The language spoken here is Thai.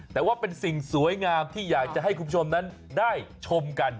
แต่ว่าเป็นสิ่งสวยงามที่อยากจะให้คุณผู้ชมนั้นได้ชมกัน